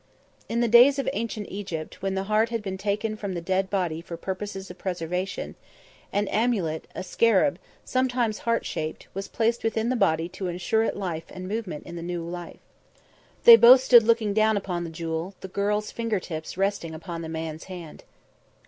"In the days of Ancient Egypt, when the heart had been taken from the dead body for purposes of preservation, an amulet, a scarab, sometimes heart shaped, was placed within the body to ensure it life and movement in the new life." They both stood looking down upon the jewel, the girl's finger tips resting upon the man's hand.